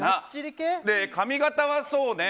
で、髪形はそうね。